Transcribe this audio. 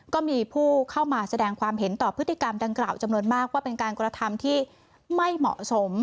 ก็มีผู้เข้ามาแสดงความเห็นต่อพฤติกรรมดังกล่าวจำนวนมากว่าเป็นการกระทำที่ไม่เหมาะสม